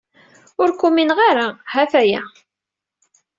Ur k-umineɣ ara, ha-t-aya.